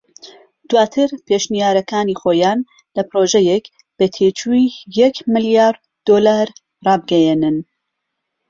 دواتر پێشنیارەكانی خۆیان لە پرۆژەیەک بە تێچووی یەک ملیار دۆلار رابگەیەنن